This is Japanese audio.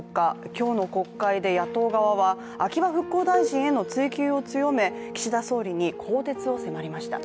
今日の国会で野党側は、秋葉復興大臣への追及を強め岸田総理に更迭を迫りました。